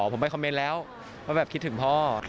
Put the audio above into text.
ผมไปคอมเมนต์แล้วว่าแบบคิดถึงพ่อ